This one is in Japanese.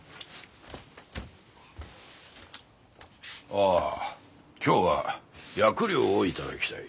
ああ今日は薬料を頂きたい。